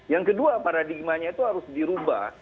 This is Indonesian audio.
yang kedua paradigmanya itu harus dirubah